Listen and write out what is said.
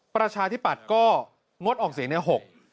ประชาธิปัตย์ก็งดออกเสียงใน๖